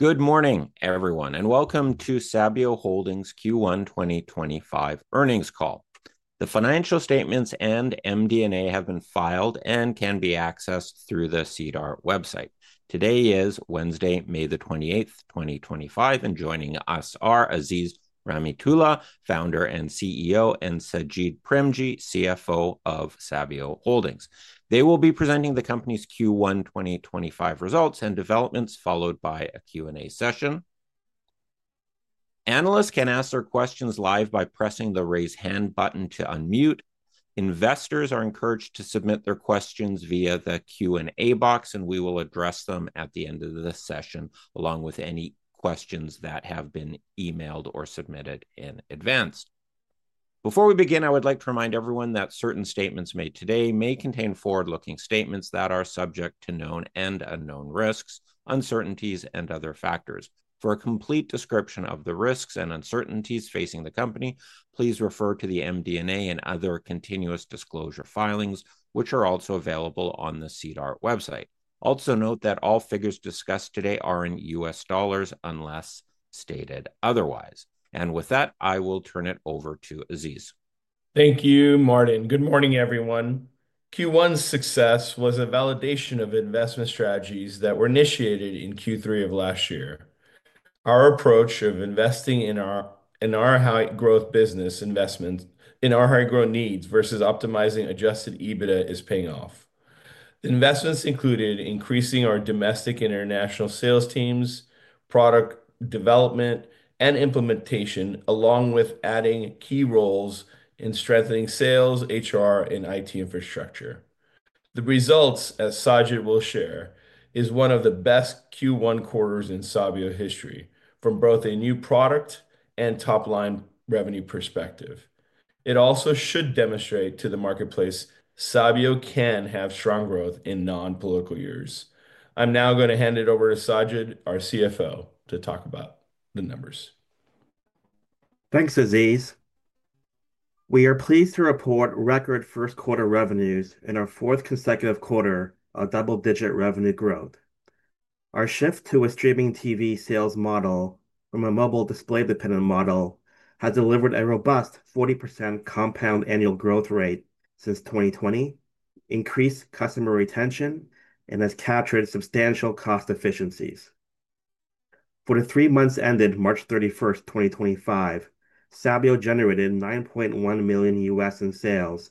Good morning, everyone, and welcome to Sabio Holdings Q1 2025 Earnings Call. The financial statements and MD&A, have been filed and can be accessed through the CDR, website. Today is Wednesday, May the 28th, 2025, and joining us are Aziz Rahimtoola, Founder and CEO, and Sajid Premji, CFO, of Sabio Holdings. They will be presenting the company's Q1 2025 results and developments, followed by a Q&A, session. Analysts, can ask their questions live by pressing the raise hand button to unmute. Investors are encouraged to submit their questions via the Q&A box, and we will address them at the end of the session, along with any questions that have been emailed or submitted in advance. Before we begin, I would like to remind everyone that certain statements made today may contain forward-looking statements that are subject to known and unknown risks, uncertainties, and other factors. For a complete description of the risks and uncertainties facing the company, please refer to the MD&A, and other continuous disclosure filings, which are also available on the CDR, website. Also note that all figures discussed today are in U.S. dollars unless stated otherwise. With that, I will turn it over to Aziz. Thank you, Martin. Good morning, everyone. Q1's, success was a validation of investment strategies that were initiated in Q3, of last year. Our approach of investing in our high-growth business investments in our high-growth needs versus optimizing adjusted EBITDA, is paying off. The investments included increasing our domestic and international sales teams, product development and implementation, along with adding key roles in strengthening sales, HR, and IT, infrastructure. The results, as Sajid, will share, are one of the best Q1, quarters in Sabio, history from both a new product and top-line revenue perspective. It also should demonstrate to the marketplace Sabio, can have strong growth in non-political years. I'm now going to hand it over to Sajid, our CFO, to talk about the numbers. Thanks, Aziz. We are pleased to report record first-quarter revenues in our fourth consecutive quarter of double-digit revenue, growth. Our shift to a streaming TV sales model, from a mobile display-dependent model has delivered a robust 40%, compound annual growth rate since 2020, increased customer retention, and has captured substantial cost efficiencies. For the three months, ended March 31, 2025, Sabio, generated $9.1 million, in sales,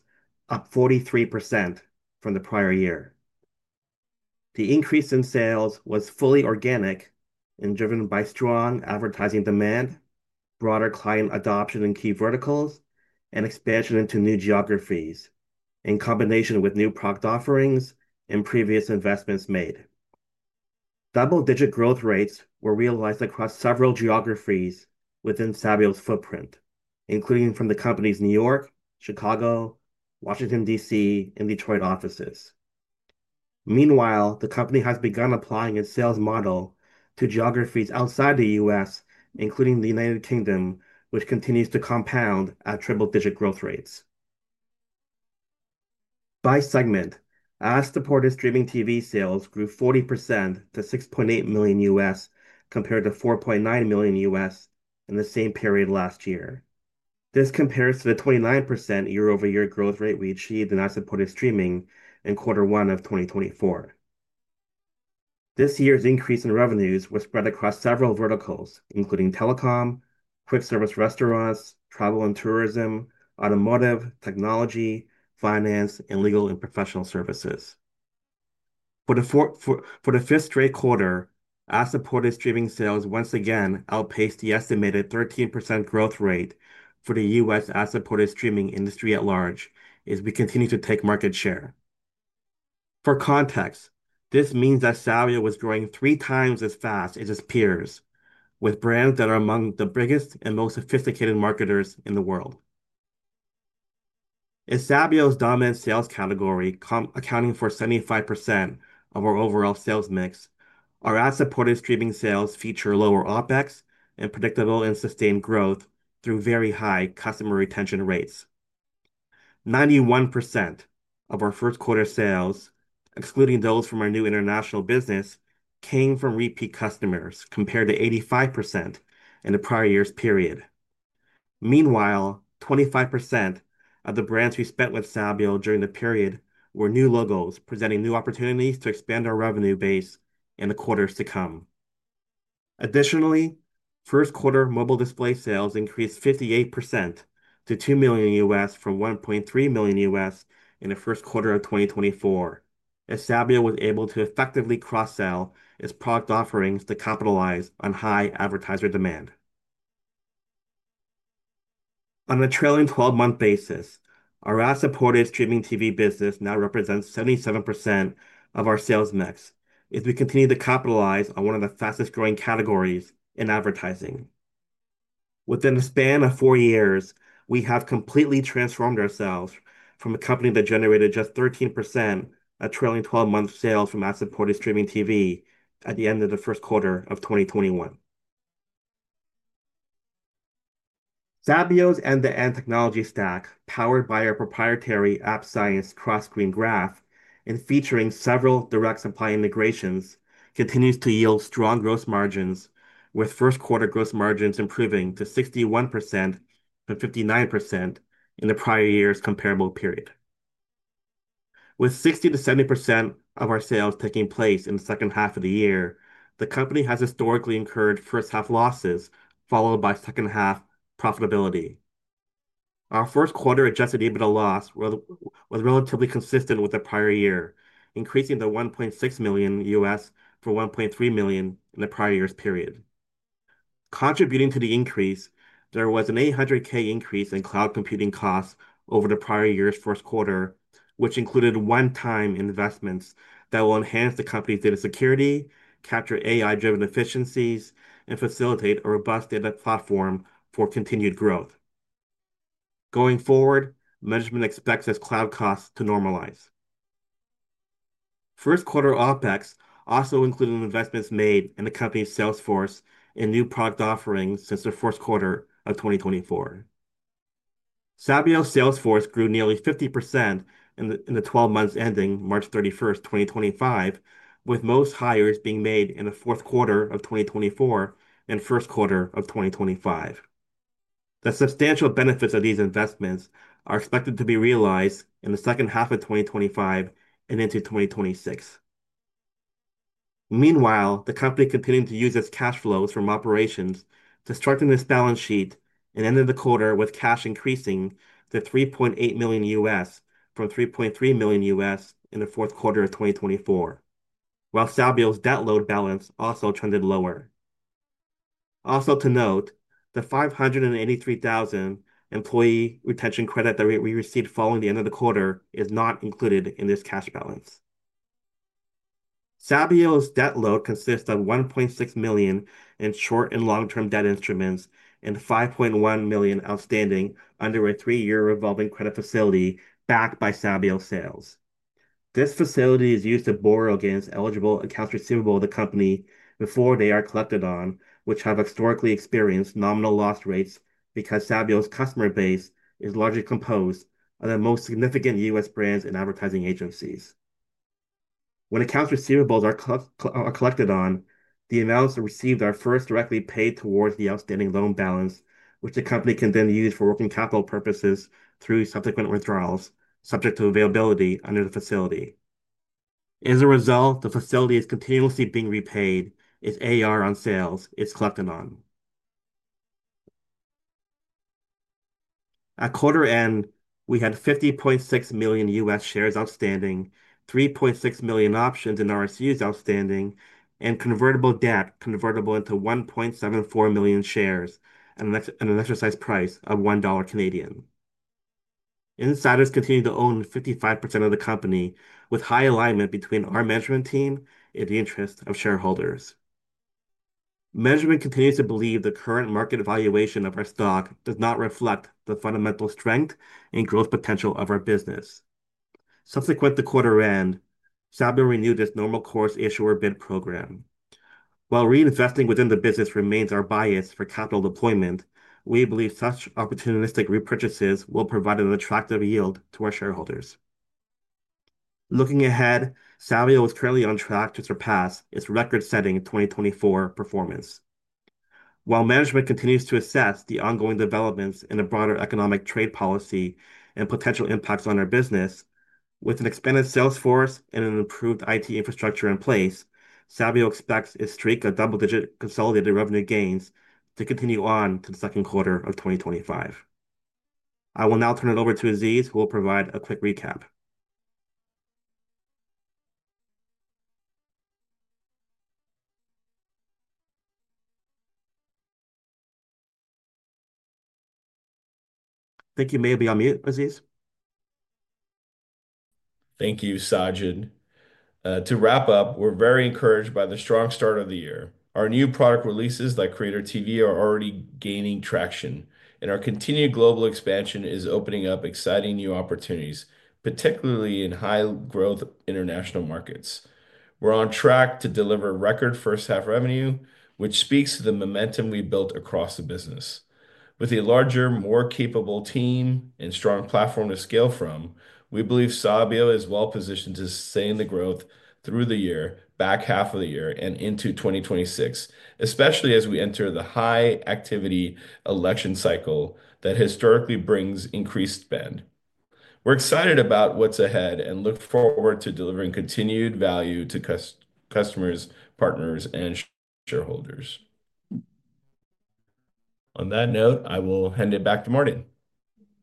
up 43%, from the prior year. The increase in sales was fully organic and driven by strong advertising demand, broader client adoption in key verticals, and expansion into new geographies, in combination with new product offerings and previous investments made. Double-digit growth rates, were realized across several geographies within Sabio's, footprint, including from the company's New York, Chicago, Washington, D.C., and Detroit offices. Meanwhile, the company has begun applying its sales model, to geographies outside the U.S., including the United Kingdom, which continues to compound at triple-digit growth rates. By segment, Aziz, reported streaming TV sales, grew 40%, to $6.8 million, U.S. compared to $4.9 million, U.S. in the same period last year. This compares to the 29%, year-over-year growth rate we achieved in Aziz, reported streaming in Q1, of 2024. This year's increase in revenues was spread across several verticals, including telecom, quick-service restaurants, travel and tourism, automotive, technology, finance, and legal and professional services. For the fifth, straight quarter, Aziz, ,reported streaming sales once again outpaced the estimated 13%, growth rate for the U.S. Aziz, reported streaming industry at large as we continue to take market share. For context, this means that Sabio, was growing three times as fast as its peers, with brands that are among the biggest and most sophisticated marketers in the world. As Sabio's, dominant sales category, accounting for 75%, of our overall sales mix, our Aziz, ported streaming sales feature lower OPEX, and predictable and sustained growth through very high customer retention rates. 91%, of our first-quarter sales, excluding those from our new international business, came from repeat customers compared to 85%, in the prior year's period. Meanwhile, 25%, of the brands we spent with Sabio, during the period were new logos presenting new opportunities to expand our revenue base in the quarters to come. Additionally, first-quarter, mobile display sales increased 58%, to $2 million from $1.3 million, in the first quarter of 2024, as Sabio, was able to effectively cross-sell its product offerings to capitalize on high advertiser demand. On a trailing 12-month basis, our Aziz-ported, streaming TV business now represents 77%, of our sales mix as we continue to capitalize on one of the fastest-growing categories in advertising. Within the span of four years, we have completely transformed ourselves from a company that generated just 13%, of trailing 12-month, sales from Aziz-ported, streaming TV at the end of the first quarter of 2021. Sabio's, end-to-end technology stack, powered by our proprietary AppScience, cross-screen graph and featuring several direct supply integrations, continues to yield strong gross margins, with first-quarter, gross margins improving to 61%, from 59%, in the prior year's comparable period. With 60%-70%, of our sales taking place in the second half, of the year, the company has historically incurred first-half, losses followed by second-half, profitability. Our first-quarter, adjusted EBITDA, loss was relatively consistent with the prior year, increasing to $1.6 million, U.S. for $1.3 million, in the prior year's period. Contributing to the increase, there was an $800,000, increase in cloud computing costs, over the prior year's first quarter, which included one-time investments, that will enhance the company's data security, capture AI-driven, efficiencies, and facilitate a robust data platform for continued growth. Going forward, management expects its cloud costs to normalize. First-quarter OPEX, also included investments made in the company's Salesforce, and new product offerings since the first quarter, of 2024. Sabio's, Salesforce grew nearly 50%, in the 12 months ending March 31, 2025, with most hires being made in the fourth quarter, of 2024, and first quarter, of 2025. The substantial benefits of these investments are expected to be realized in the second half, of 2025 and into 2026. Meanwhile, the company continued to use its cash flows from operations to strengthen its balance sheet and ended the quarter with cash increasing to $3.8 million, from $3.3 million, in the fourth quarter, of 2024, while Sabio's, debt load balance also trended lower. Also to note, the $583,000, employee retention credit that we received following the end of the quarter is not included in this cash balance. Sabio's, debt load consists of $1.6 million, in short and long-term, debt instruments, and $5.1 million, outstanding under a three-year, revolving credit facility backed by Sabio, sales. This facility is used to borrow against eligible accounts receivable of the company before they are collected on, which have historically experienced nominal loss rates because Sabio's, customer base is largely composed of the most significant U.S. brands and advertising agencies. When accounts receivables are collected on, the amounts received are first directly paid towards the outstanding loan balance, which the company can then use for working capital purposes through subsequent withdrawals, subject to availability under the facility. As a result, the facility is continuously being repaid as AR, on sales is collected on. At quarter end, we had 50.6 million, U.S. shares outstanding, 3.6 million, options and RSUs, outstanding, and convertible debt, convertible into 1.74 million, shares at an exercise price of 1 Canadian dollar. Insiders continue to own 55%, of the company, with high alignment between our management team and the interests of shareholders. Management continues to believe the current market valuation of our stock does not reflect the fundamental strength and growth potential of our business. Subsequent to quarter end, Sabio, renewed its normal course issuer bid program. While reinvesting within the business remains our bias for capital deployment, we believe such opportunistic repurchases will provide an attractive yield to our shareholders. Looking ahead, Sabio, is currently on track to surpass its record-setting 2024, performance. While management continues to assess the ongoing developments in the broader economic trade policy, and potential impacts on our business, with an expanded Salesforce, and an improved IT infrastructure, in place, Sabio expects its streak of double-digit consolidated revenue, gains to continue on to the second quarter, of 2025. I will now turn it over to Aziz, who will provide a quick recap. Thank you, may I be on mute, Aziz? Thank you, Sajid. To wrap up, we're very encouraged by the strong start of the year. Our new product releases like Creator TV, are already gaining traction, and our continued global expansion is opening up exciting new opportunities, particularly in high-growth international markets. We're on track to deliver record first-half revenue, which speaks to the momentum we built across the business. With a larger, more capable team and strong platform, to scale from, we believe Sabio, is well positioned to sustain the growth through the year, back half of the year, and into 2026, especially as we enter the high-activity election cycle that historically brings increased spend. We're excited about what's ahead and look forward to delivering continued value to customers, partners, and shareholders. On that note, I will hand it back to Martin.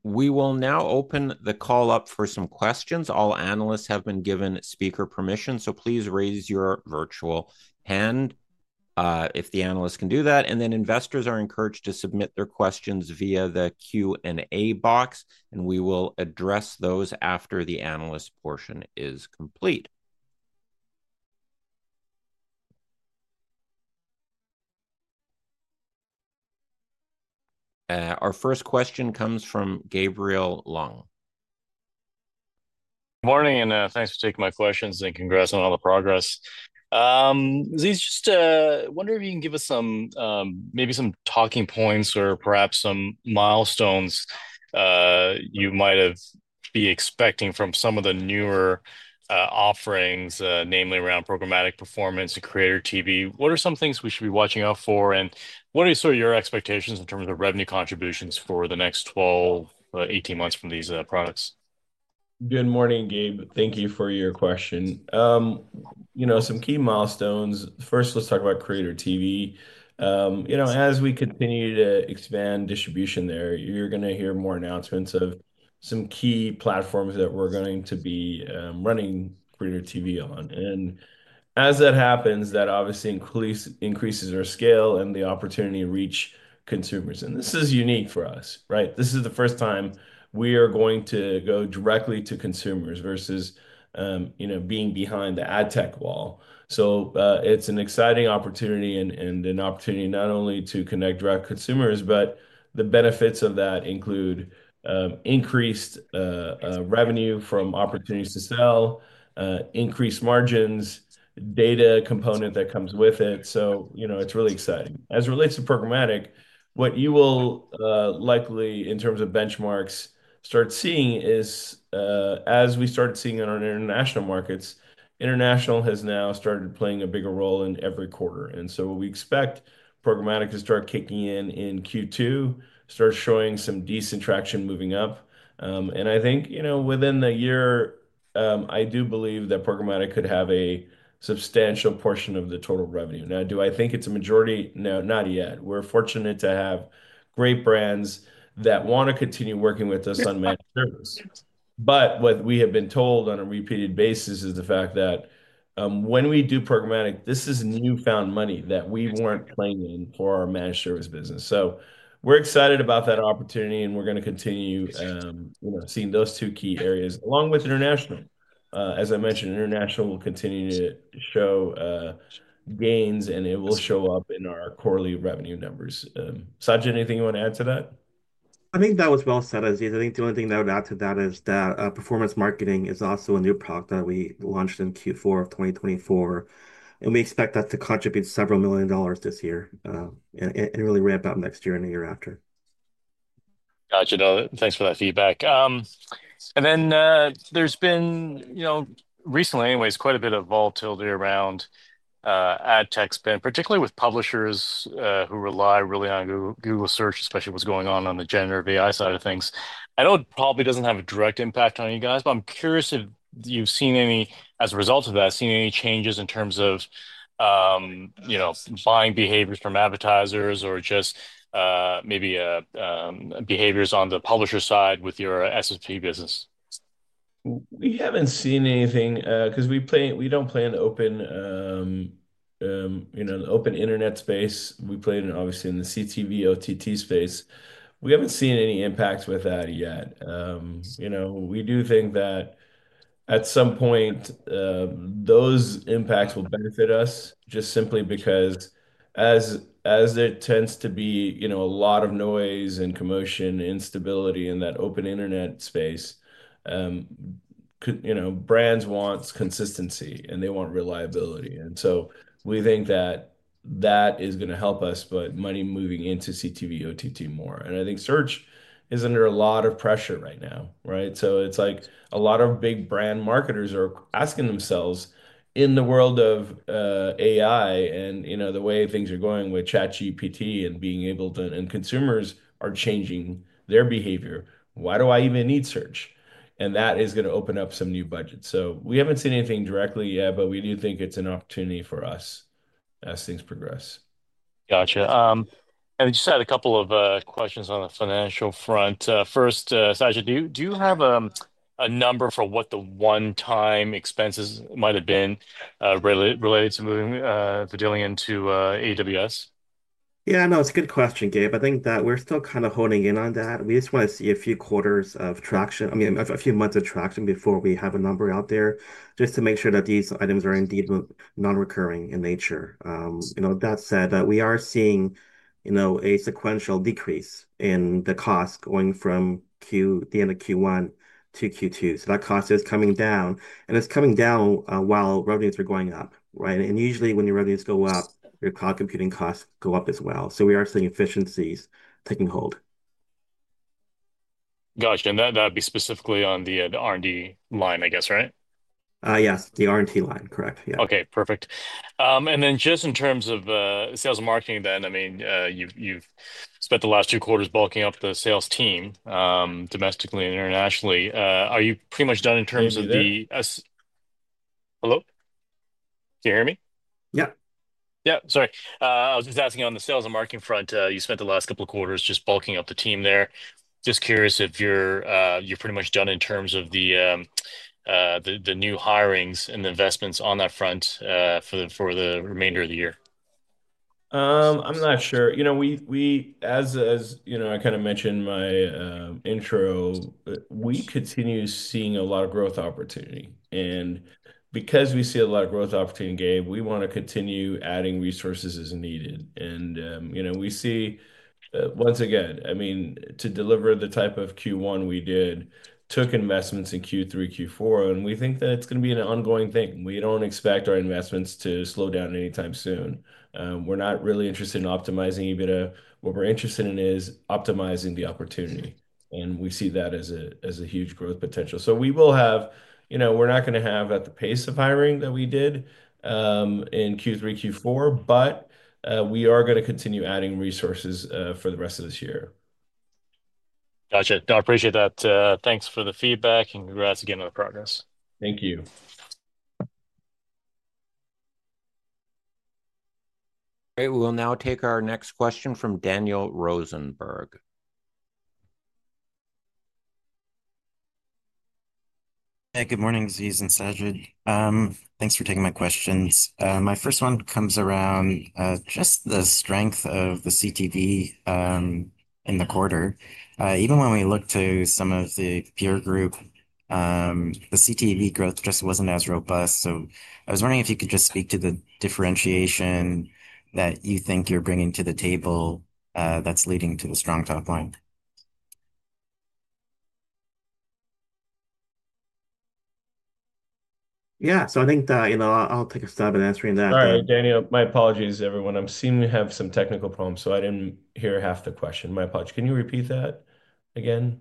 We will now open the call up for some questions. All analysts, have been given speaker permission, so please raise your virtual hand if the analysts can do that. Investors, are encouraged to submit their questions via the Q&A box, and we will address those after the analyst portion is complete. Our first question comes from Gabriel Long. Good morning and thanks for taking my questions and congrats on all the progress. Aziz, just wondering if you can give us maybe some talking points or perhaps some milestones you might be expecting from some of the newer offerings, namely around programmatic performance and Creator TV. What are some things we should be watching out for, and what are sort of your expectations in terms of revenue contributions, for the next 12 to 18 months, from these products? Good morning, Gabe. Thank you for your question. You know, some key milestones. First, let's talk about Creator TV. You know, as we continue to expand distribution there, you're going to hear more announcements of some key platforms that we're going to be running Creator TV, on. As that happens, that obviously increases our scale and the opportunity to reach consumers. This is unique for us, right? This is the first time we are going to go directly to consumers versus being behind the ad tech, wall. It is an exciting opportunity and an opportunity not only to connect direct consumers, but the benefits of that include increased revenue, from opportunities to sell, increased margins, data component that comes with it. You know, it's really exciting. As it relates to programmatic, what you will likely, in terms of benchmarks, start seeing is, as we started seeing in our international markets, international has now started playing a bigger role in every quarter. We expect programmatic to start kicking in in Q2, start showing some decent traction moving up. I think, you know, within the year, I do believe that programmatic could have a substantial portion of the total revenue. Now, do I think it's a majority? No, not yet. We're fortunate to have great brands that want to continue working with us on managed service. What we have been told on a repeated basis is the fact that when we do programmatic, this is newfound money that we were not claiming for our managed service business. We're excited about that opportunity, and we're going to continue seeing those two key areas along with international. As I mentioned, international will continue to show gains, and it will show up in our quarterly revenue, numbers. Sajid, anything you want to add to that? I think that was well said, Aziz. I think the only thing I would add to that is that performance marketing is also a new product that we launched in Q4, of 2024, and we expect that to contribute several million, dollars this year and really ramp up next year and the year after. Gotcha. Thanks for that feedback. There has been, you know, recently anyways, quite a bit of volatility around ad tech spend, particularly with publishers who rely really on Google Search, especially what's going on on the generative AI, side of things. I know it probably doesn't have a direct impact on you guys, but I'm curious if you've seen any, as a result of that, seen any changes in terms of buying behaviors from advertisers or just maybe behaviors on the publisher side with your SSP, business? We haven't seen anything because we don't play in, you know, the open internet space. We play in, obviously, in the CTV, OTT, space. We haven't seen any impacts with that yet. You know, we do think that at some point those impacts will benefit us just simply because as there tends to be, you know, a lot of noise and commotion and instability in that open internet space, you know, brands want consistency and they want reliability. We think that that is going to help us, but money moving into CTV, OTT, more. I think search is under a lot of pressure right now, right? It's like a lot of big brand marketers are asking themselves in the world of AI, and, you know, the way things are going with ChatGPT, and being able to, and consumers are changing their behavior. Why do I even need search? That is going to open up some new budgets. We have not seen anything directly yet, but we do think it is an opportunity for us as things progress. Gotcha. I just had a couple of questions on the financial front. First, Sajid, do you have a number for what the one-time expenses might have been related to moving the dealing into AWS? Yeah, no, it's a good question, Gabe. I think that we're still kind of honing in on that. We just want to see a few quarters of traction, I mean, a few months of traction before we have a number out there just to make sure that these items are indeed non-recurring in nature. You know, that said, we are seeing, you know, a sequential decrease in the cost going from the end of Q1 to Q2. That cost is coming down, and it's coming down while revenues are going up, right? Usually when your revenues go up, your cloud computing costs go up as well. We are seeing efficiencies taking hold. Gotcha. And that'd be specifically on the R&D, line, I guess, right? Yes, the R&T, line, correct. Yeah. Okay, perfect. And then just in terms of sales and marketing then, I mean, you've spent the last two quarters, bulking up the sales team domestically and internationally. Are you pretty much done in terms of the hello? Can you hear me? Yeah. Yeah, sorry. I was just asking on the sales and marketing front, you spent the last couple of quarters just bulking up the team there. Just curious if you're pretty much done in terms of the new hirings and the investments on that front for the remainder of the year. I'm not sure. You know, we, as you know, I kind of mentioned my intro, we continue seeing a lot of growth opportunity. And because we see a lot of growth opportunity, Gabe, we want to continue adding resources as needed. You know, we see, once again, I mean, to deliver the type of Q1, we did, took investments in Q3, Q4, and we think that it's going to be an ongoing thing. We do not expect our investments to slow down anytime soon. We are not really interested in optimizing EBITDA. What we are interested in is optimizing the opportunity. We see that as a huge growth potential. We will have, you know, we are not going to have at the pace of hiring that we did in Q3, Q4, but we are going to continue adding resources for the rest of this year. Gotcha. I appreciate that. Thanks for the feedback and congrats again on the progress. Thank you. All right, we'll now take our next question from Daniel Rosenberg. Hey, good morning, Aziz and Sajid. Thanks for taking my questions. My first one comes around just the strength of the CTV, in the quarter. Even when we look to some of the peer group, the CTV, growth just was not as robust. I was wondering if you could just speak to the differentiation that you think you are bringing to the table that is leading to the strong top line. Yeah, so I think that, you know, I'll take a stab at answering that. All right, Daniel, my apologies, everyone. I'm seeming to have some technical problems, so I didn't hear half the question. My apologies. Can you repeat that again?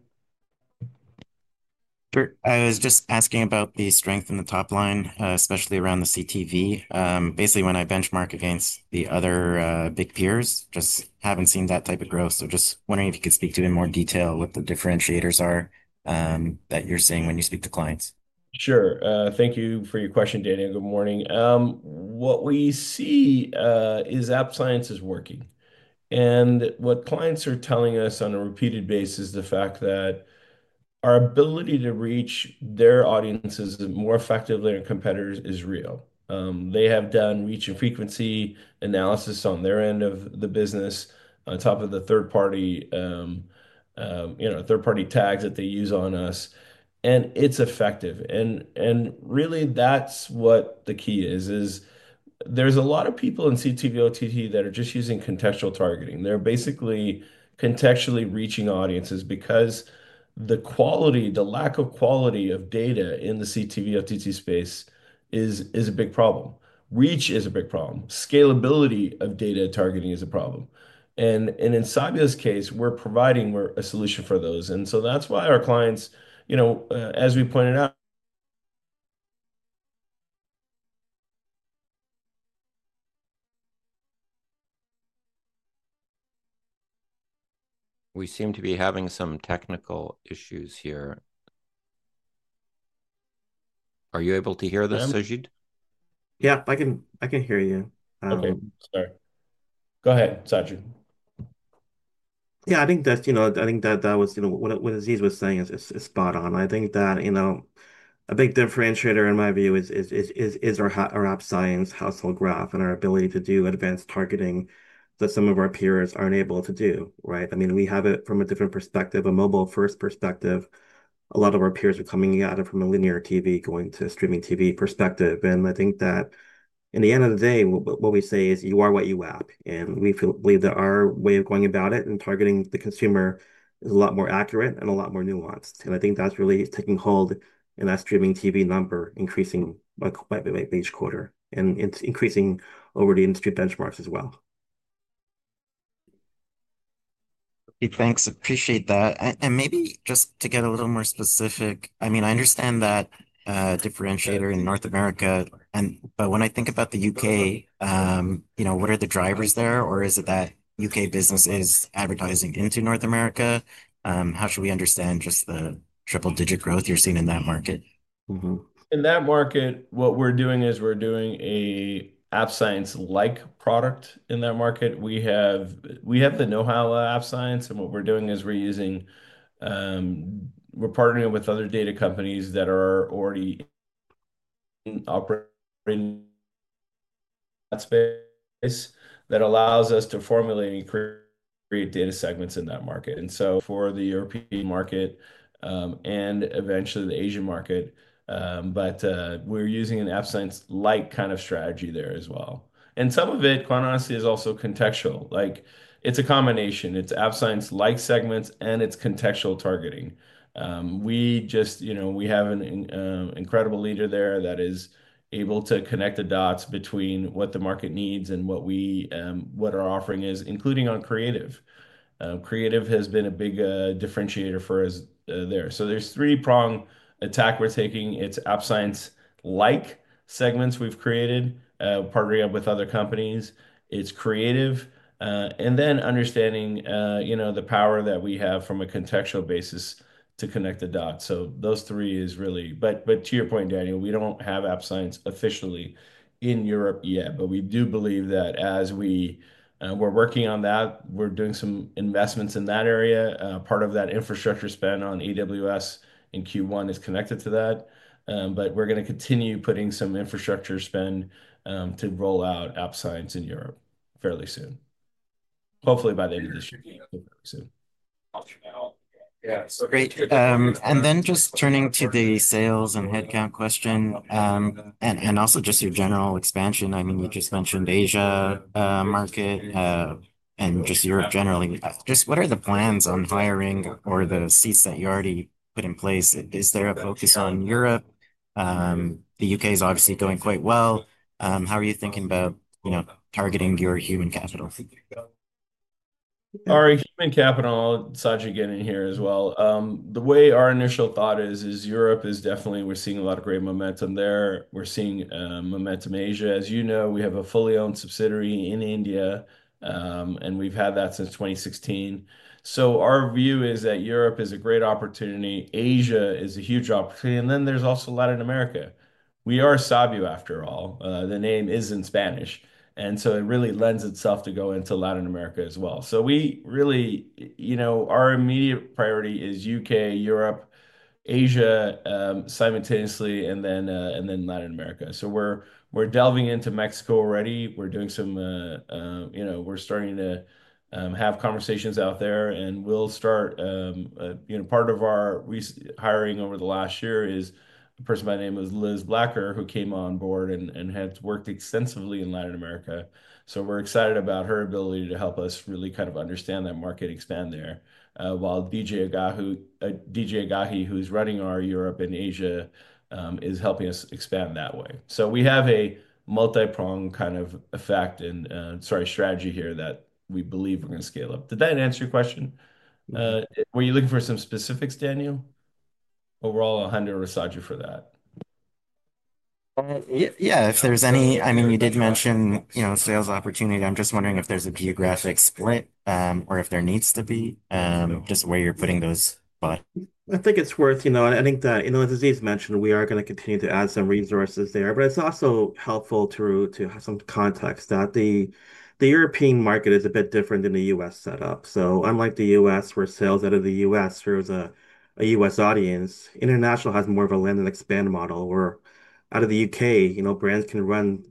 Sure. I was just asking about the strength in the top line, especially around the CTV. Basically, when I benchmark against the other big peers, just have not seen that type of growth. Just wondering if you could speak to it in more detail, what the differentiators are that you are seeing when you speak to clients. Sure. Thank you for your question, Daniel. Good morning. What we see is AppScience, is working. And what clients are telling us on a repeated basis is the fact that our ability to reach their audiences more effectively than competitors is real. They have done reach and frequency analysis on their end of the business on top of the third-party, you know, third-party tags that they use on us. And it's effective. And really, that's what the key is, is there's a lot of people in CTV, OTT, that are just using contextual targeting. They're basically contextually reaching audiences because the quality, the lack of quality of data in the CTV, OTT, space is a big problem. Reach is a big problem. Scalability, of data targeting is a problem. And in Sajid's, case, we're providing a solution for those. That is why our clients, you know, as we pointed out. We seem to be having some technical issues here. Are you able to hear this, Sajid? Yeah, I can hear you. Okay, sorry. Go ahead, Sajid. Yeah, I think that, you know, what Aziz, was saying is spot on. I think that a big differentiator in my view is our AppScience, household graph and our ability to do advanced targeting that some of our peers are not able to do, right? I mean, we have it from a different perspective, a mobile-first perspective. A lot of our peers are coming at it from a linear TV, going to streaming TV, perspective. I think that in the end of the day, what we say is you are what you app. We believe that our way of going about it and targeting the consumer is a lot more accurate and a lot more nuanced. I think that's really taking hold in that streaming TV, number increasing quite a bit each quarter, and increasing over the industry benchmarks as well. Thanks. Appreciate that. Maybe just to get a little more specific, I mean, I understand that differentiator in North America, but when I think about the U.K., you know, what are the drivers there? Or is it that U.K. business is advertising into North America? How should we understand just the triple-digit growth you're seeing in that market? In that market, what we're doing is we're doing an AppScience-like, product in that market. We have the know-how of AppScience, and what we're doing is we're using, we're partnering with other data companies that are already operating in that space that allows us to formulate and create data segments, in that market. For the European, market and eventually the Asian market, we're using an AppScience-like, kind of strategy there as well. Some of it, quite honestly, is also contextual. Like, it's a combination. It's AppScience-like, segments and it's contextual targeting. We just, you know, we have an incredible leader there that is able to connect the dots between what the market needs and what our offering is, including on creative. Creative has been a big differentiator for us there. There's a three-pronged attack we're taking. It's AppScience-like, segments we've created, partnering up with other companies. It's creative. And then understanding, you know, the power that we have from a contextual basis to connect the dots. So those three, is really, but to your point, Daniel, we don't have AppScience, officially in Europe yet, but we do believe that as we're working on that, we're doing some investments in that area. Part of that infrastructure spend on AWS, in Q1, is connected to that. We're going to continue putting some infrastructure spend to roll out AppScience, in Europe, fairly soon. Hopefully by the end of this year, fairly soon. Great. And then just turning to the sales and headcount question and also just your general expansion. I mean, you just mentioned Asia market, and just Europe, generally. Just what are the plans on hiring or the seats that you already put in place? Is there a focus on Europe? The U.K. is obviously going quite well. How are you thinking about, you know, targeting your human capital? Our human capital, Sajid, getting here as well. The way our initial thought is, is Europe, is definitely, we're seeing a lot of great momentum there. We're seeing momentum in Asia. As you know, we have a fully owned subsidiary in India, and we've had that since 2016. Our view is that Europe, is a great opportunity. Asia, is a huge opportunity. There is also Latin America. We are Sabio, after all. The name is in Spanish. It really lends itself to going to Latin America, as well. We really, you know, our immediate priority is U.K., Europe, Asia, simultaneously, and then Latin America. We're delving into Mexico already. We're doing some, you know, we're starting to have conversations out there. We'll start, you know, part of our hiring over the last year is a person by the name of Liz Blacker, who came on board and had worked extensively in Latin America. We are excited about her ability to help us really kind of understand that market, expand there, while DJ Agahi, who is running our Europe, and Asia, is helping us expand that way. We have a multi-pronged kind of effect and, sorry, strategy here that we believe we are going to scale up. Did that answer your question? Were you looking for some specifics, Daniel? Overall, a hundred or a Sajid, for that. Yeah, if there's any, I mean, you did mention, you know, sales opportunity. I'm just wondering if there's a geographic split, or if there needs to be, just where you're putting those thought. I think it's worth, you know, and I think that, you know, as Aziz, mentioned, we are going to continue to add some resources there. But it's also helpful to have some context that the European, market is a bit different than the U.S. setup. So unlike the U.S., where sales out of the U.S. serves a U.S. audience, international has more of a land and expand model. Where out of the U.K., you know, brands can run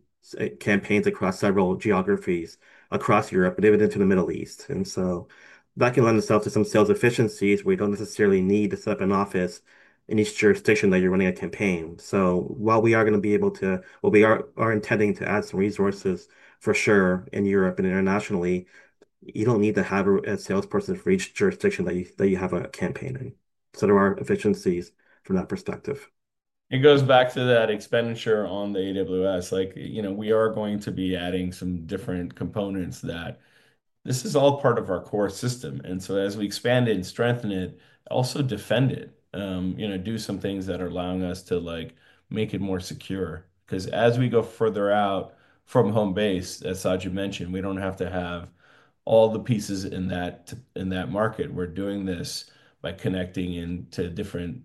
campaigns across several geographies across Europe, but even into the Middle East. And so that can lend itself to some sales efficiencies where you don't necessarily need to set up an office in each jurisdiction that you're running a campaign. While we are going to be able to, or we are intending to add some resources for sure in Europe, and internationally, you do not need to have a salesperson for each jurisdiction that you have a campaign in. There are efficiencies from that perspective. It goes back to that expenditure on the AWS. Like, you know, we are going to be adding some different components that this is all part of our core system. As we expand it and strengthen it, also defend it, you know, do some things that are allowing us to, like, make it more secure. Because as we go further out from home base, as Sajid, mentioned, we do not have to have all the pieces in that market. We are doing this by connecting into different,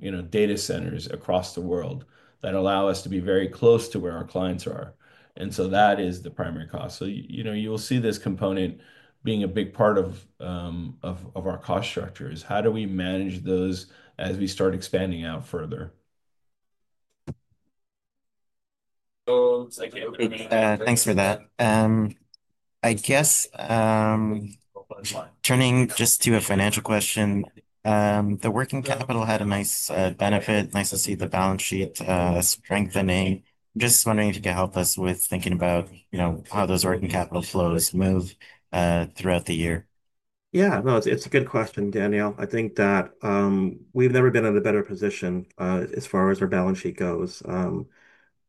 you know, data centers across the world that allow us to be very close to where our clients are. That is the primary cost. You know, you will see this component being a big part of our cost structure is how do we manage those as we start expanding out further. Thanks for that. I guess turning just to a financial question, the working capital had a nice benefit. Nice to see the balance sheet strengthening. I'm just wondering if you could help us with thinking about, you know, how those working capital flows move throughout the year. Yeah, no, it's a good question, Daniel. I think that we've never been in a better position as far as our balance sheet goes.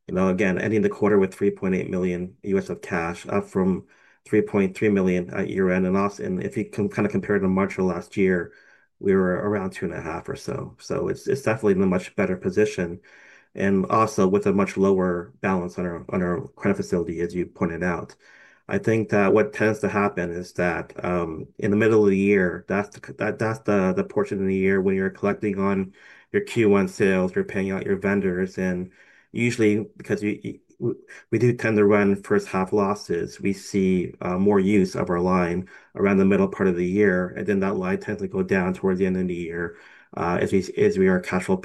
You know, again, ending the quarter, with $3.8 million, of cash, up from $3.3 million, year-end. If you can kind of compare it to March, of last year, we were around $2.5 million, or so. It's definitely in a much better position. Also with a much lower balance on our credit facility, as you pointed out. I think that what tends to happen is that in the middle of the year, that's the portion of the year where you're collecting on your Q1, sales, you're paying out your vendors. Usually, because we do tend to run first half losses, we see more use of our line around the middle part of the year. That line tends to go down towards the end of the year as we are cash flow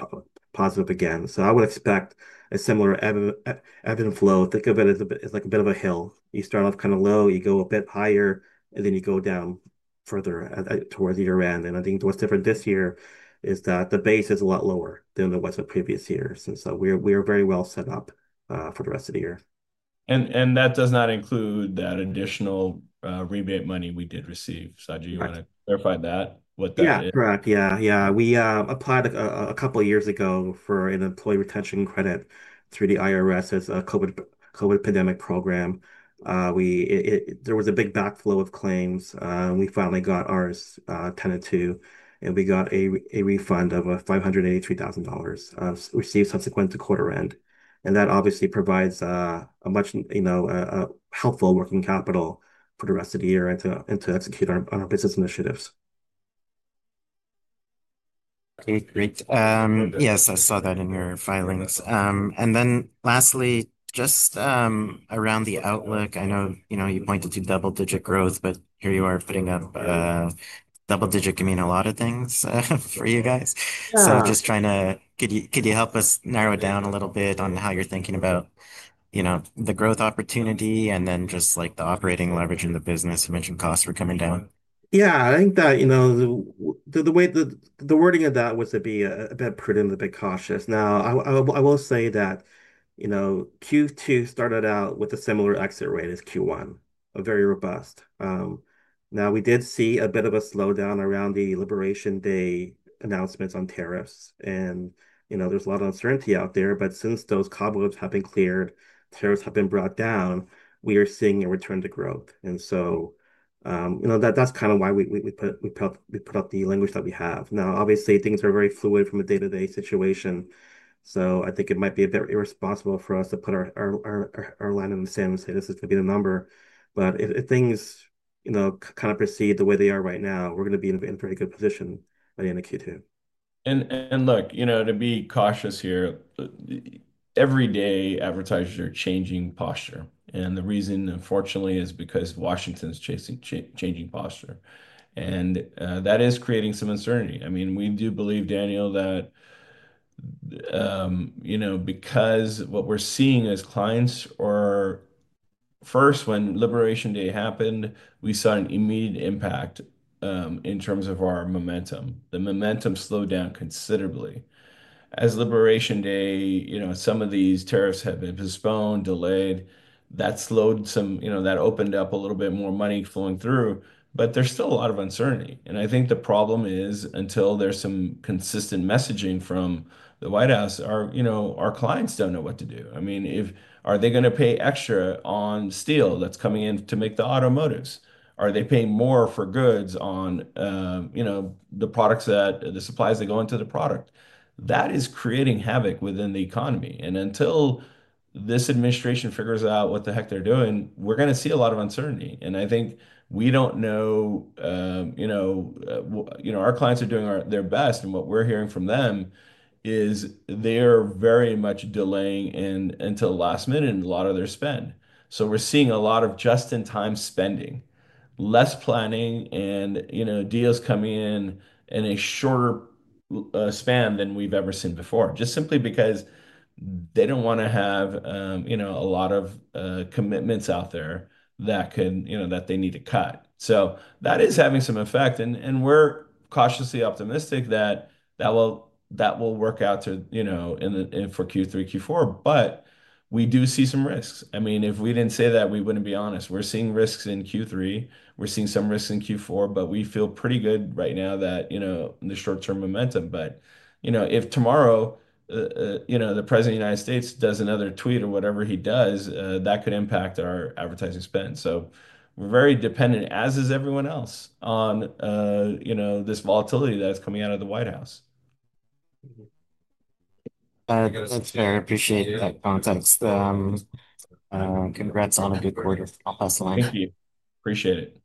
positive again. I would expect a similar ebb and flow. Think of it as like a bit of a hill. You start off kind of low, you go a bit higher, and then you go down further towards year-end. I think what's different this year is that the base is a lot lower than it was in previous years. We are very well set up for the rest of the year. That does not include that additional rebate money, we did receive. Sajid, you want to clarify that, what that is? Yeah, correct. Yeah, we applied a couple of years ago for an employee retention credit through the IRS, as a COVID, pandemic program. There was a big backflow of claims. We finally got ours tended to, and we got a refund of $583,000, received subsequent to quarter end. That obviously provides a much, you know, helpful working capital for the rest of the year and to execute our business initiatives. Okay, great. Yes, I saw that in your filings. Lastly, just around the outlook, I know, you know, you pointed to double-digit growth, but here you are putting up double-digit ,can mean a lot of things for you guys. Just trying to, could you help us narrow it down a little bit on how you're thinking about, you know, the growth opportunity and then just like the operating leverage in the business? You mentioned costs were coming down. Yeah, I think that, you know, the way that the wording of that was to be a bit prudent and a bit cautious. Now, I will say that, you know, Q2, started out with a similar exit rate as Q1, a very robust. Now, we did see a bit of a slowdown around the Liberation Day, announcements on tariffs. You know, there's a lot of uncertainty out there. Since those cobwebs have been cleared, tariffs have been brought down, we are seeing a return to growth. You know, that's kind of why we put up the language that we have. Obviously, things are very fluid from a day-to-day situation. I think it might be a bit irresponsible for us to put our line in the sand and say this is going to be the number. If things, you know, kind of proceed the way they are right now, we're going to be in a very good position by the end of Q2. Look, you know, to be cautious here, every day advertisers, are changing posture. The reason, unfortunately, is because Washington, is changing posture. That is creating some uncertainty. I mean, we do believe, Daniel, that, you know, because what we're seeing as clients or first when liberation day, happened, we saw an immediate impact in terms of our momentum. The momentum slowed down considerably. As liberation day, you know, some of these tariffs have been postponed, delayed, that slowed some, you know, that opened up a little bit more money flowing through. There is still a lot of uncertainty. I think the problem is until there is some consistent messaging from the White House, our, you know, our clients do not know what to do. I mean, are they going to pay extra on steel, that is coming in to make the automotives? Are they paying more for goods on, you know, the products that the supplies that go into the product? That is creating havoc within the economy. Until this administration figures out what the heck they're doing, we're going to see a lot of uncertainty. I think we don't know, you know, our clients are doing their best. What we're hearing from them is they're very much delaying until the last minute in a lot of their spend. We're seeing a lot of just-in-time spending, less planning, and, you know, deals coming in in a shorter span than we've ever seen before. Just simply because they don't want to have, you know, a lot of commitments out there that can, you know, that they need to cut. That is having some effect. We're cautiously optimistic that that will work out to, you know, for Q3, Q4. We do see some risks. I mean, if we didn't say that, we wouldn't be honest. We're seeing risks in Q3. We're seeing some risks in Q4. We feel pretty good right now that, you know, the short-term momentum. You know, if tomorrow, you know, the President, of the United States, does another tweet or whatever he does, that could impact our advertising spend. We're very dependent, as is everyone else, on, you know, this volatility that's coming out of the White House. Thanks, Farron. Appreciate that context. Congrats on a good quarter. I'll pass the line. Thank you. Appreciate it.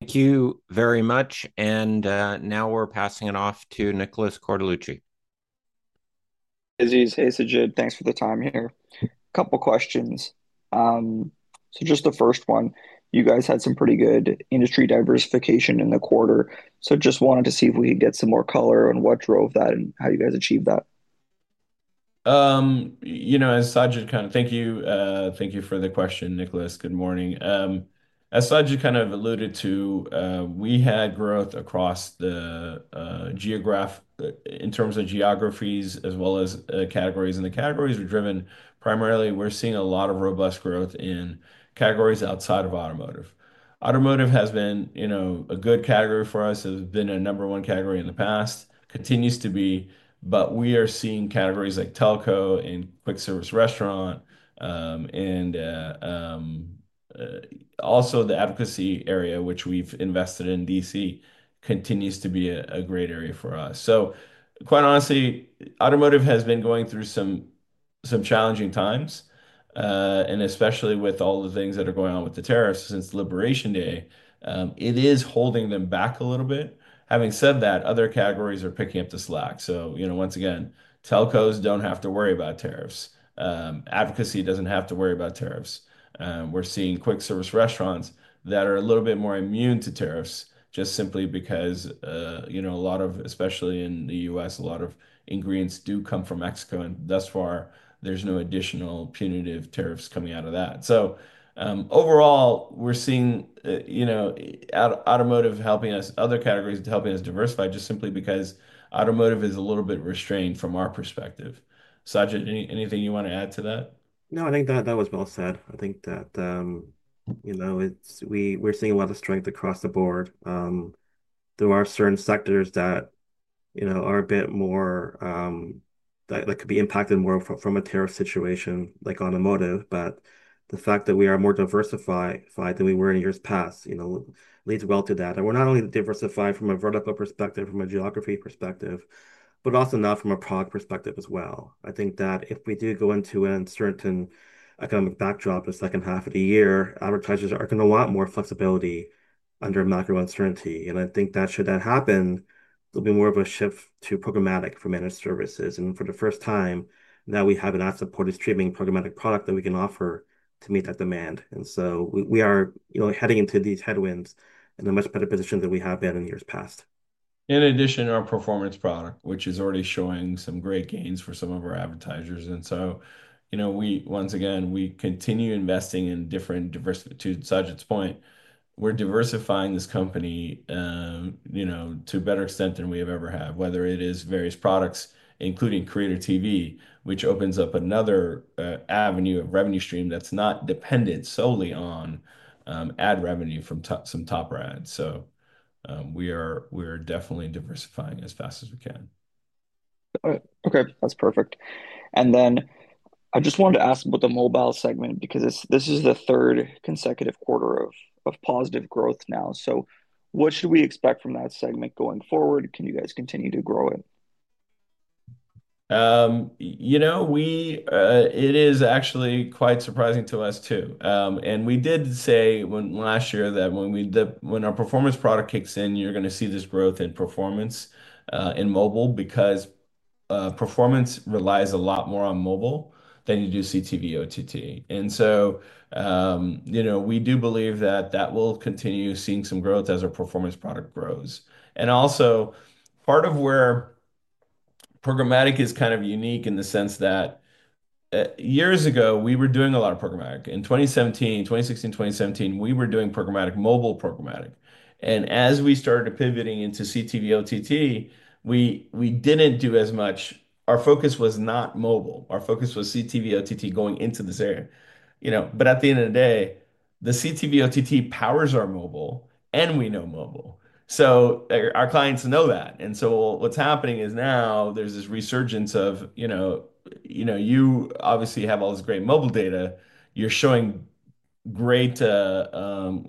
Thank you very much. Now we are passing it off to Nicholas Cordalucci. Aziz, hey, Sajid. Thanks for the time here. A couple of questions. Just the first one, you guys had some pretty good industry diversification in the quarter. Just wanted to see if we could get some more color on what drove that and how you guys achieved that. You know, as Sajid, kind of, thank you. Thank you for the question, Nicholas. Good morning. As Sajid, kind of alluded to, we had growth across the geographic in terms of geographies as well as categories. The categories were driven primarily, we're seeing a lot of robust growth in categories outside of automotive. Automotive, has been, you know, a good category for us. It has been a number one category in the past, continues to be. We are seeing categories like telco, and quick service restaurant. Also the advocacy area, which we've invested in D.C., continues to be a great area for us. Quite honestly, automotive has been going through some challenging times. Especially with all the things that are going on with the tariffs since Liberation Day, it is holding them back a little bit. Having said that, other categories are picking up the slack. You know, once again, telcos do not have to worry about tariffs. Advocacy, does not have to worry about tariffs. We are seeing quick service restaurants that are a little bit more immune to tariffs just simply because, you know, a lot of, especially in the U.S., a lot of ingredients do come from Mexico. Thus far, there are no additional punitive tariffs coming out of that. Overall, we are seeing, you know, automotive helping us, other categories helping us diversify just simply because automotive is a little bit restrained from our perspective. Sajid, anything you want to add to that? No, I think that that was well said. I think that, you know, we're seeing a lot of strength across the board. There are certain sectors that, you know, are a bit more that could be impacted more from a tariff situation like automotive. The fact that we are more diversified than we were in years past, you know, leads well to that. We're not only diversified from a vertical perspective, from a geography perspective, but also now from a product perspective, as well. I think that if we do go into an uncertain economic backdrop, in the second half, of the year, advertisers are going to want more flexibility under macro uncertainty. I think that should that happen, there'll be more of a shift to programmatic, for managed services. For the first time now, we have an ad-supported streaming programmatic, product that we can offer to meet that demand. We are, you know, heading into these headwinds in a much better position than we have been in years past. In addition, our performance product, which is already showing some great gains for some of our advertisers. You know, we once again, we continue investing in different diversity to Sajid's, point. We're diversifying this company, you know, to a better extent than we have ever had, whether it is various products, including Creator TV, which opens up another avenue of revenue stream that's not dependent solely on ad revenue from some top brands. We are definitely diversifying as fast as we can. All right. Okay. That's perfect. I just wanted to ask about the mobile segment, because this is the third, consecutive quarter, of positive growth now. What should we expect from that segment going forward? Can you guys continue to grow it? You know, it is actually quite surprising to us too. We did say last year that when our performance product kicks in, you're going to see this growth in performance in mobile, because performance relies a lot more on mobile, than you do CTV, OTT. You know, we do believe that that will continue seeing some growth as our performance product grows. Also, part of where programmatic is kind of unique in the sense that years ago, we were doing a lot of programmatic. In 2016, 2017, we were doing programmatic mobile programmatic. As we started pivoting into CTV, OTT, we did not do as much. Our focus was not mobile. Our focus was CTV, OTT, going into this area. You know, at the end of the day, the CTV, OTT, powers our mobile, and we know mobile. Our clients know that. What's happening is now there's this resurgence of, you know, you obviously have all this great mobile data. You're showing great, you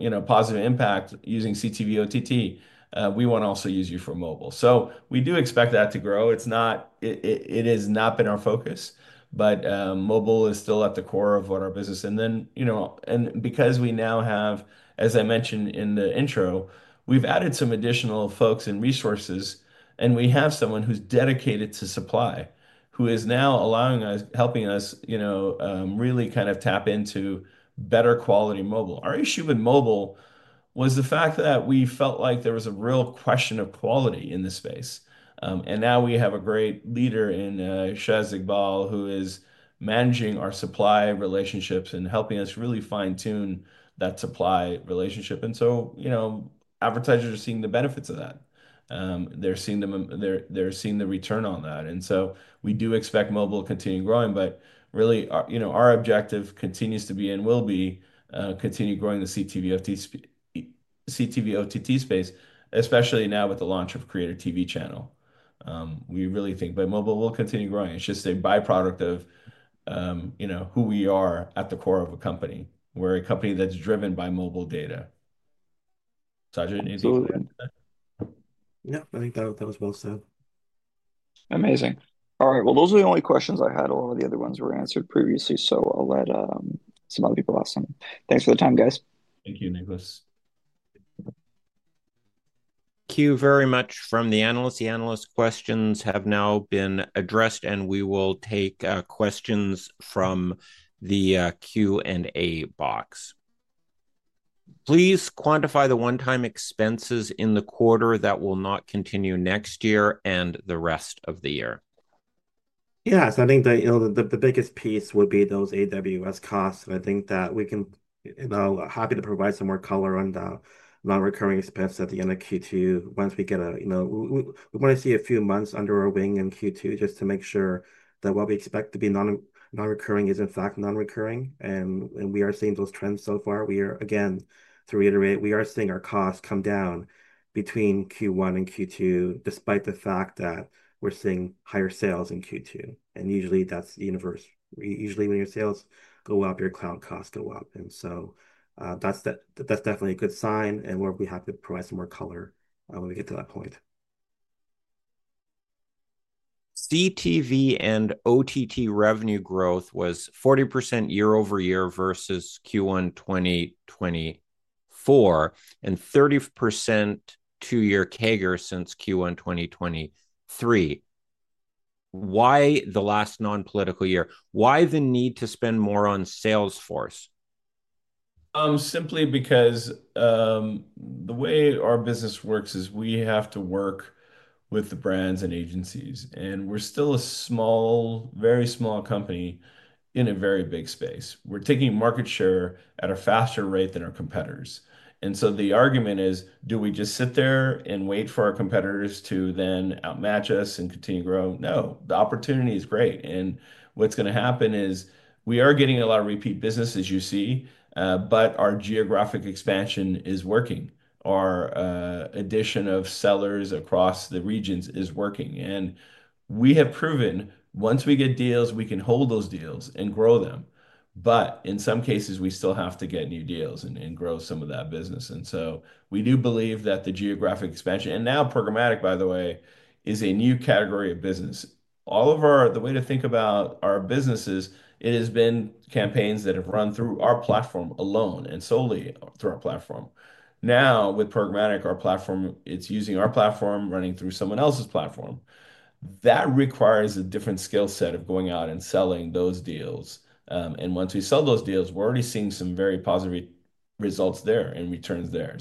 know, positive impact using CTV, OTT. We want to also use you for mobile. We do expect that to grow. It has not been our focus, but mobile is still at the core of our business. You know, and because we now have, as I mentioned in the intro, we've added some additional folks and resources, and we have someone who's dedicated to supply, who is now allowing us, helping us, you know, really kind of tap into better quality mobile. Our issue with mobile was the fact that we felt like there was a real question of quality in this space. Now we have a great leader in Sajid Hegbal, who is managing our supply relationships and helping us really fine-tune that supply relationship. You know, advertisers are seeing the benefits of that. They're seeing the return on that. We do expect mobile to continue growing. Really, you know, our objective continues to be and will be continue growing the CTV, OTT, space, especially now with the launch of Creator TV, channel. We really think that mobile will continue growing. It's just a byproduct of, you know, who we are at the core of a company. We're a company that's driven by mobile data. Sajid, anything? Yeah, I think that was well said. Amazing. All right. Those are the only questions I had. A lot of the other ones were answered previously. I'll let some other people ask them. Thanks for the time, guys. Thank you, Nicholas. Thank you very much from the analysts. The analyst questions have now been addressed, and we will take questions from the Q&A box. Please quantify the one-time expenses, in the quarter, that will not continue next year and the rest of the year. Yes. I think that, you know, the biggest piece would be those AWS, costs. I think that we can, you know, happy to provide some more color, on the non-recurring expense, at the end of Q2, once we get a, you know, we want to see a few months, under our wing in Q2, just to make sure that what we expect to be non-recurring is, in fact, non-recurring. We are seeing those trends so far. We are, again, to reiterate, we are seeing our costs come down between Q1 and Q2, despite the fact that we're seeing higher sales in Q2. Usually that's universal. Usually when your sales go up, your cloud costs go up. That's definitely a good sign. We'll be happy to provide some more color when we get to that point. CTV and OTT, revenue growth, was 40%, year over year versus Q1, 2024, and 30%, two-year, CAGR, since Q1, 2023. Why the last non-political year? Why the need to spend more on Salesforce? Simply because the way our business works is we have to work with the brands and agencies. We are still a small, very small company in a very big space. We are taking market share at a faster rate than our competitors. The argument is, do we just sit there and wait for our competitors to then outmatch us and continue to grow? No, the opportunity is great. What is going to happen is we are getting a lot of repeat business, as you see, but our geographic expansion, is working. Our addition of sellers across the regions is working. We have proven once we get deals, we can hold those deals and grow them. In some cases, we still have to get new deals and grow some of that business. We do believe that the geographic expansion, and now programmatic, by the way, is a new category of business. All of our, the way to think about our business is, it has been campaigns that have run through our platform, alone and solely through our platform. Now with programmatic, our platform, it is using our platform, running through someone else's platform. That requires a different skill set of going out and selling those deals. Once we sell those deals, we are already seeing some very positive results there and returns there.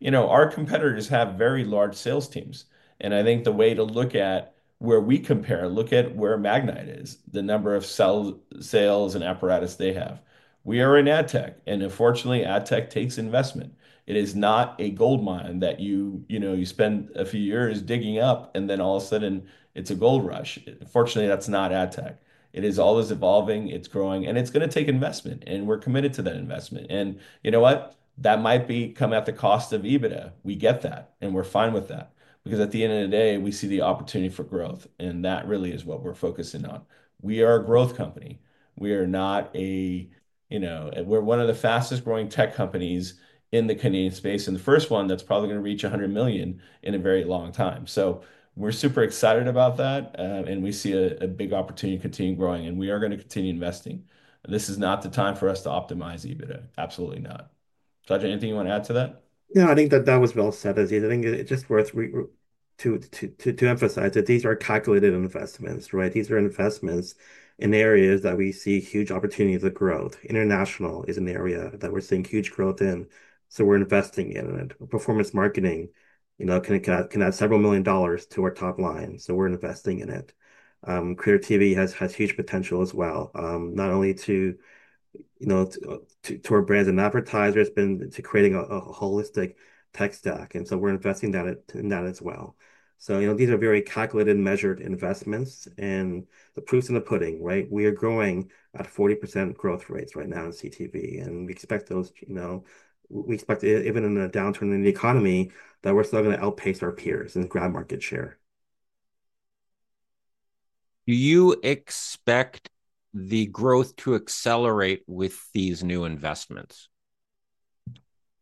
You know, our competitors have very large sales teams. I think the way to look at where we compare, look at where Magnite, is the number of sales and apparatus they have. We are in ad tech. Unfortunately, ad tech takes investment. It is not a gold mine, that you, you know, you spend a few years digging up and then all of a sudden it's a gold rush. Fortunately, that's not ad tech. It is always evolving. It's growing. And it's going to take investment. We're committed to that investment. You know what? That might come at the cost of EBITDA. We get that. We're fine with that. Because at the end of the day, we see the opportunity for growth. That really is what we're focusing on. We are a growth company. We are not a, you know, we're one of the fastest growing tech companies in the Canadian, space and the first one that's probably going to reach $100 million, in a very long time. We're super excited about that. We see a big opportunity to continue growing. We are going to continue investing. This is not the time for us to optimize EBITDA. Absolutely not. Sajid, anything you want to add to that? Yeah, I think that that was well said, Aziz. I think it's just worth to emphasize that these are calculated investments, right? These are investments in areas that we see huge opportunities of growth. International, is an area that we're seeing huge growth in. We are investing in it. Performance marketing, you know, can add several million, dollars to our top line. We are investing in it. Creator TV, has huge potential as well. Not only to, you know, to our brands and advertisers, but to creating a holistic tech stack. We are investing in that as well. You know, these are very calculated, measured investments. The proof's in the pudding, right? We are growing at 40%, growth rates right now in CTV. We expect those, you know, we expect even in a downturn in the economy that we're still going to outpace our peers and grab market share. Do you expect the growth to accelerate with these new investments?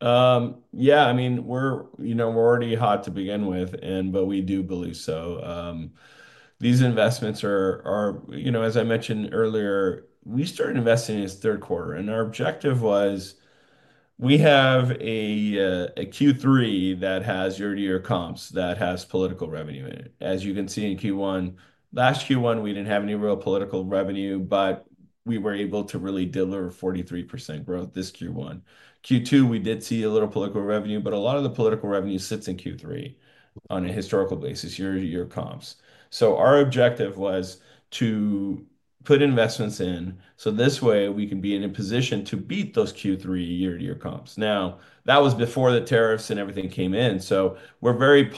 Yeah, I mean, we're, you know, we're already hot to begin with. We do believe so. These investments are, you know, as I mentioned earlier, we started investing in this third quarter. Our objective was we have a Q3, that has year-to-year comps that has political revenue in it. As you can see in Q1, last Q1, we did not have any real political revenue, but we were able to really deliver 43%, growth this Q1. Q2, we did see a little political revenue, but a lot of the political revenue, sits in Q3, on a historical basis, year-to-year comps. Our objective was to put investments in so this way we can be in a position to beat those Q3, year-to-year comps. That was before the tariffs and everything came in. We are very, you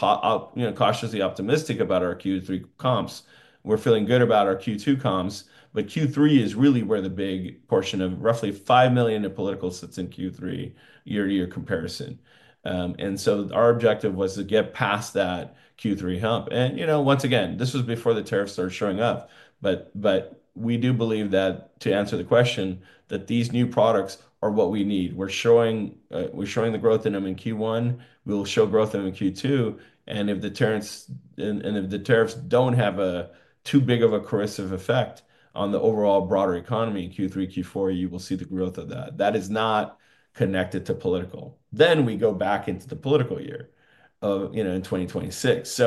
know, cautiously optimistic afbout our Q3, comps. We're feeling good about our Q2, comps. Q3, is really where the big portion of roughly $5 million, in political sits in Q3, year-to-year comparison. Our objective was to get past that Q3, ,hump. You know, this was before the tariffs started showing up. We do believe that to answer the question, these new products are what we need. We're showing the growth in them in Q1. We will show growth in them in Q2. If the tariffs do not have too big of a corrosive effect on the overall broader economy in Q3, Q4, you will see the growth of that. That is not connected to political. We go back into the political year, you know, in 2026.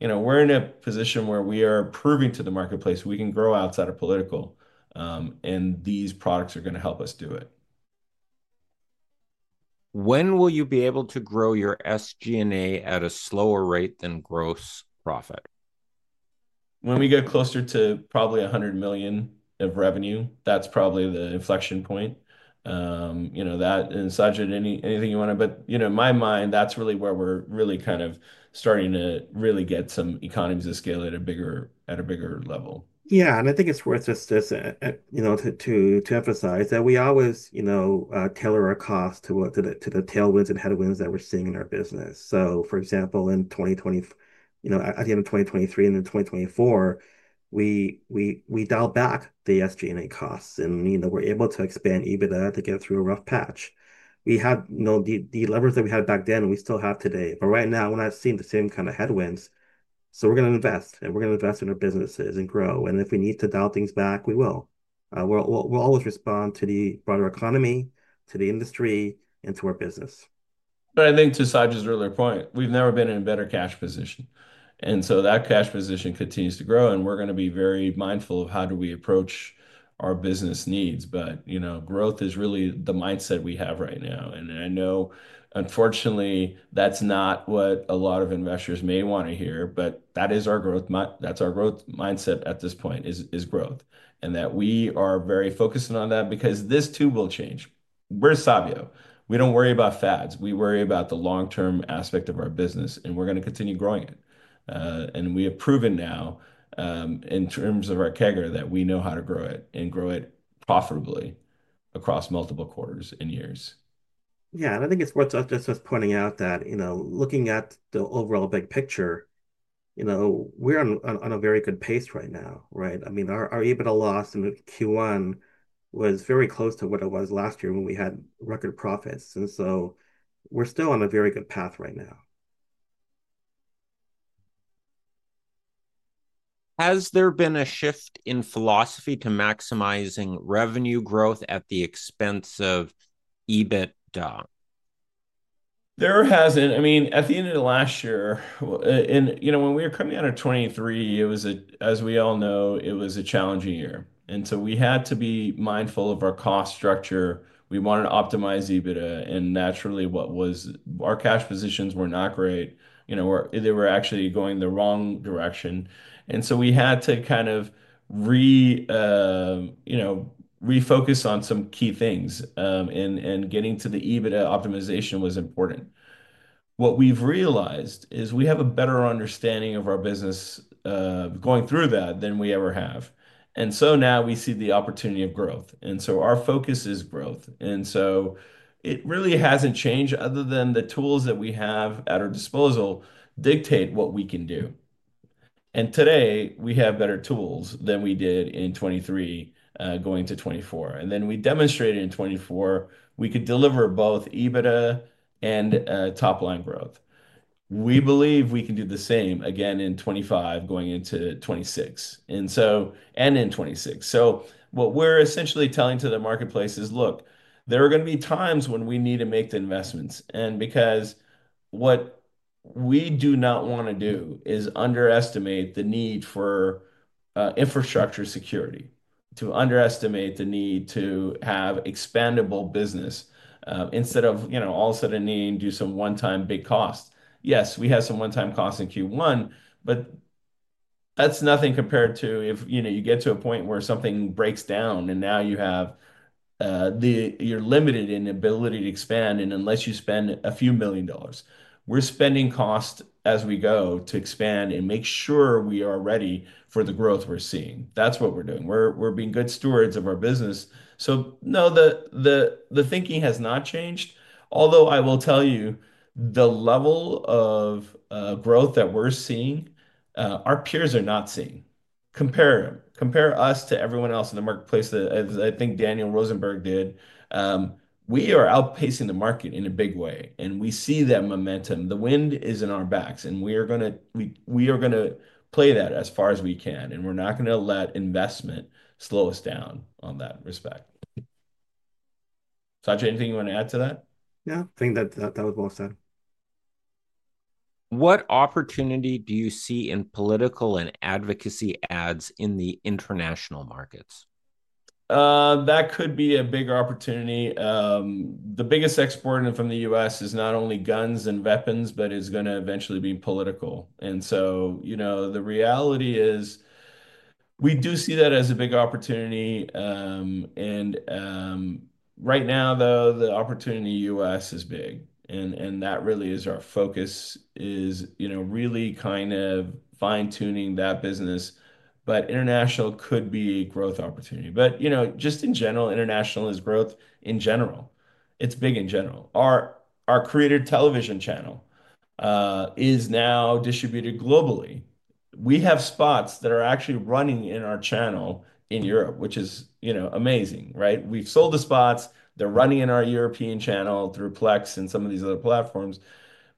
You know, we're in a position where we are proving to the marketplace we can grow outside of political. These products are going to help us do it. When will you be able to grow your SG&A, at a slower rate than gross profit? When we get closer to probably $100 million, of revenue. That's probably the inflection point. You know, that, and Sajid, anything you want to, but, you know, in my mind, that's really where we're really kind of starting to really get some economies of scale at a bigger level. Yeah. I think it's worth just this, you know, to emphasize that we always, you know, tailor our cost to the tailwinds and headwinds that we're seeing in our business. For example, in 2020, you know, at the end of 2023, and in 2024, we dialed back the SG&A, costs. You know, we were able to expand EBITDA, to get through a rough patch. We had, you know, the levers that we had back then, we still have today. Right now, we're not seeing the same kind of headwinds. We are going to invest. We are going to invest in our businesses and grow. If we need to dial things back, we will. We'll always respond to the broader economy, to the industry, and to our business. I think to Sajid's, earlier point, we've never been in a better cash position. That cash position continues to grow. We're going to be very mindful of how we approach our business needs. You know, growth is really the mindset we have right now. I know, unfortunately, that's not what a lot of investors may want to hear, but that is our growth mindset at this point: growth. We are very focused on that because this too will change. We're Sabio. We don't worry about fads. We worry about the long-term aspect of our business. We're going to continue growing it. We have proven now in terms of our CAGR, that we know how to grow it and grow it profitably across multiple quarters and years. Yeah. I think it's worth just pointing out that, you know, looking at the overall big picture, you know, we're on a very good pace right now, right?I mean, our EBITDA, loss in Q1, was very close to what it was last year when we had record profits. You know, we're still on a very good path right now. Has there been a shift in philosophy, to maximizing revenue growth at the expense, of EBITDA? There hasn't. I mean, at the end of last year, and, you know, when we were coming out of 2023, it was, as we all know, it was a challenging year. And so we had to be mindful of our cost structure. We wanted to optimize EBITDA. And naturally, what was our cash positions were not great. You know, they were actually going the wrong direction. And so we had to kind of, you know, refocus on some key things. And getting to the EBITDA, optimization was important. What we've realized is we have a better understanding of our business going through that than we ever have. And so now we see the opportunity of growth. And so our focus is growth. And so it really hasn't changed other than the tools that we have at our disposal dictate what we can do. Today, we have better tools than we did in 2023, going to 2024. We demonstrated in 2024, we could deliver both EBITDA, and top-line growth. We believe we can do the same again in 2025, going into 2026, and in 2026. What we are essentially telling to the marketplace is, look, there are going to be times when we need to make the investments. What we do not want to do is underestimate the need for infrastructure security, to underestimate the need to have expandable business instead of, you know, all of a sudden needing to do some one-time big costs. Yes, we have some one-time costs in Q1, but that's nothing compared to if, you know, you get to a point where something breaks down and now you are limited in the ability to expand and unless you spend a few million dollars. We're spending costs as we go to expand and make sure we are ready for the growth we're seeing. That's what we're doing. We're being good stewards of our business. No, the thinking has not changed. Although I will tell you, the level of growth that we're seeing, our peers are not seeing. Compare them. Compare us to everyone else in the marketplace that I think Daniel Rosenberg, did. We are outpacing the market in a big way. We see that momentum. The wind is in our backs. We are going to play that as far as we can. We're not going to let investment slow us down on that respect. Sajid, anything you want to add to that? Yeah. I think that that was well said. What opportunity do you see in political and advocacy ads in the international markets? That could be a big opportunity. The biggest export from the U.S. is not only guns and weapons, but it's going to eventually be political. And so, you know, the reality is we do see that as a big opportunity. Right now, though, the opportunity in the U.S. is big. That really is our focus is, you know, really kind of fine-tuning, that business. International, could be a growth opportunity. You know, just in general, international is growth in general. It's big in general. Our Creator TV, channel is now distributed globally. We have spots that are actually running in our channel in Europe, which is, you know, amazing, right? We've sold the spots. They're running in our European channel through Plex and some of these other platforms.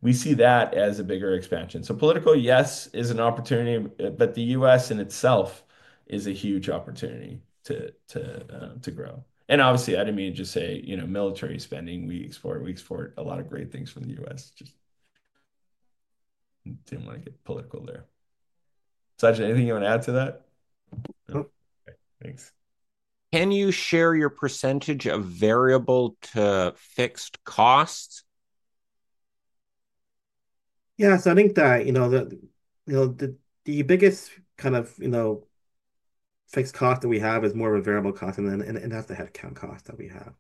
We see that as a bigger expansion. Political, yes, is an opportunity. The U.S. in itself is a huge opportunity to grow. Obviously, I did not mean to just say, you know, military spending. We export a lot of great things from the U.S. Just did not want to get political there. Sajid, anything you want to add to that? No. Thanks. Can you share your percentage of variable to fixed costs? Yeah. So I think that, you know, the biggest kind of, you know, fixed cost that we have is more of a variable cost and that's the headcount cost that we have.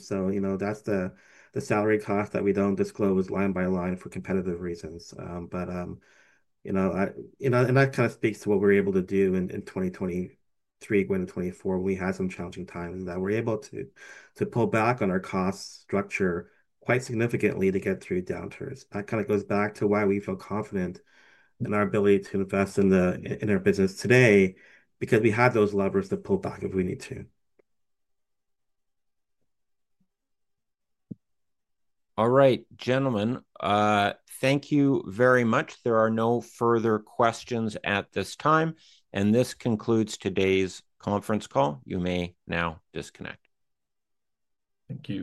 So, you know, that's the salary cost that we do not disclose line by line for competitive reasons. But, you know, and that kind of speaks to what we are able to do in 2023 going to 2024. We had some challenging times that we are able to pull back on our cost structure quite significantly to get through downturns. That kind of goes back to why we feel confident in our ability to invest in our business today because we have those levers to pull back if we need to. All right, gentlemen, thank you very much. There are no further questions at this time. This concludes today's conference call. You may now disconnect. Thank you.